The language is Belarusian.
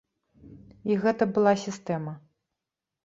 І гэта была сістэма.